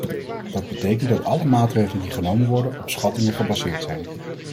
Dat betekent dat alle maatregelen die genomen worden op schattingen gebaseerd zijn.